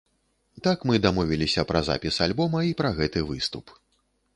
Так мы дамовіліся пра запіс альбома і пра гэты выступ.